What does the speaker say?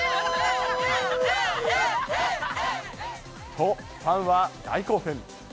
と、ファンは大興奮。